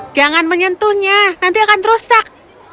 jangan menyentuhnya nanti akan rusak